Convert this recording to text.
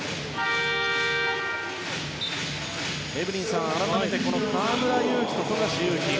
エブリンさん、改めて河村勇輝と富樫勇樹